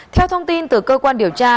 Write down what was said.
theo thông tin từ cơ quan điều tra